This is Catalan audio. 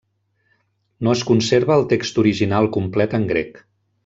No es conserva el text original complet en grec.